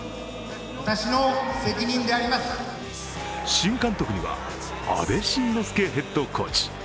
新監督には阿部慎之助ヘッドコーチ。